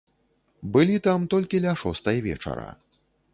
Былі там толькі ля шостай вечара.